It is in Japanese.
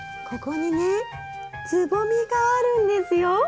ここにねつぼみがあるんですよ。